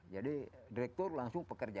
jadi direktur langsung pekerja